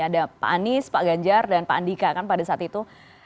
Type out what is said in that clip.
ada pak anies pak ganjar dan pak andika kan pada saat itu